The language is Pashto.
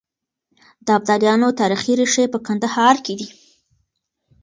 د ابدالیانو تاريخي ريښې په کندهار کې دي.